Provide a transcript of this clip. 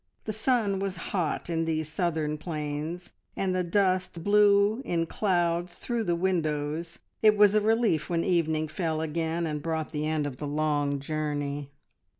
The sun was hot in these southern plains, and the dust blew in clouds through the windows; it was a relief when evening fell again, and brought the end of the long journey.